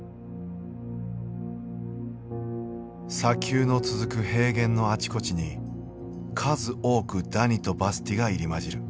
砂丘の続く平原のあちこちに数多くダニとバスティが入り交じる。